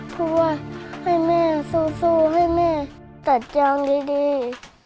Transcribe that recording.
พูดว่าให้แม่สู้ให้แม่ตัดจองดี